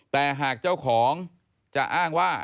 แต่หากเจ้าของจะอ้างว่า